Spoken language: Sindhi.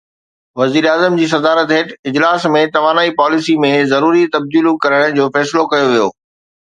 وزيراعظم جي صدارت هيٺ اجلاس ۾ توانائي پاليسي ۾ ضروري تبديليون ڪرڻ جو فيصلو ڪيو ويو